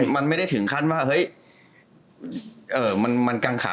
มันไม่ได้ถึงขั้นว่าเฮ้ยมันกังขา